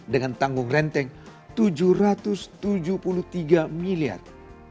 dengan tanggung renteng tujuh ratus tujuh puluh tiga miliar